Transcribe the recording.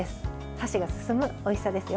箸が進むおいしさですよ。